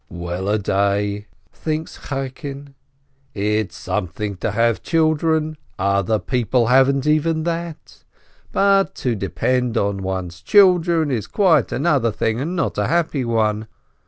"Well a day !" thinks Chaikin, "it's something to have children, other people haven't even that. But to depend on one's children is quite another thing and not a happy one!"